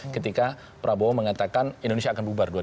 ketika prabowo mengatakan indonesia akan bubar dua ribu dua puluh